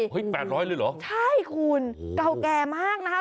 ๘๐๐เลยเหรอใช่คุณเก่าแก่มากนะคะ